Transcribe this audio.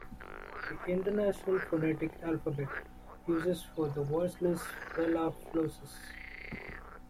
The International Phonetic Alphabet uses for the voiceless velar plosive.